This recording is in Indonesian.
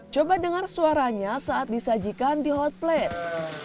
coba dengar suaranya saat disajikan di hot plate